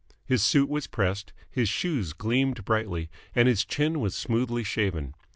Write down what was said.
His suit was pressed, his shoes gleamed brightly, and his chin was smoothly shaven.